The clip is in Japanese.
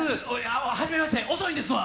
初めまして、遅いですわ。